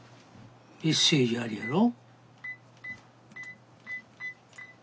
メッセージありやろ？